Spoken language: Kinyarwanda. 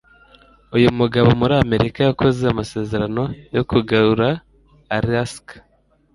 uyu mugabo muri Amerika yakoze amasezerano yo kugura Alaska